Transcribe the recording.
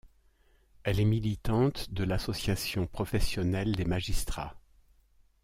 Elle est militante de l’Association professionnelle des magistrats.